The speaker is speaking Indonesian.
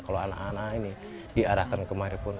kalau anak anak ini diarahkan kemari pun